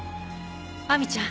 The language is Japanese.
亜美ちゃん